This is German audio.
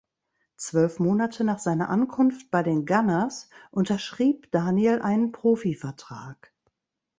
Zwölf Monate nach seiner Ankunft bei den „Gunners“ unterschrieb Daniel einen Profivertrag.